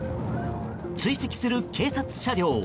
追跡する警察車両。